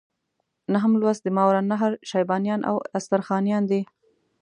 نهم لوست د ماوراء النهر شیبانیان او استرخانیان دي.